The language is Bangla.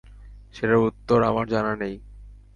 সেটার উত্তর আমার জানা নেই।